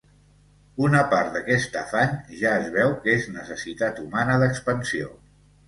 Una part d'aquest afany, ja es veu que és necessitat humana d'expansió.